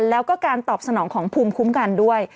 แล้วก็การตอบสนองของภูมิคุ้มกันด้วย